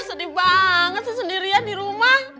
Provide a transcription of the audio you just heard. sedih banget sih sendirian di rumah